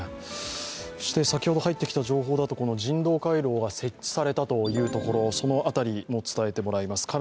先ほど入ってきた情報だとこの人道回廊が設置されたというところその辺り、伝えてもらいます。